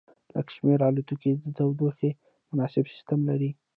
لږ شمیر الوتکې د تودوخې مناسب سیستم لري